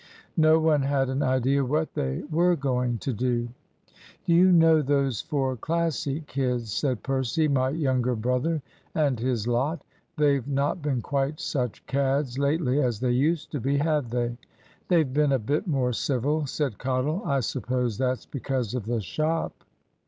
No one had an idea what they were going to do. "Do you know those four Classic kids," said Percy, "my younger brother and his lot? They've not been quite such cads lately as they used to be, have they?" "They've been a bit more civil," said Cottle. "I suppose that's because of the shop."